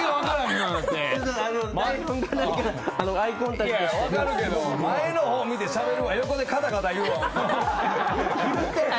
それは分かるけど前の方見てしゃべるわ横でカタカタいうわ。